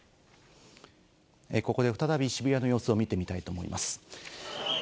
ここで再び渋谷の様子を見てみたいと思います。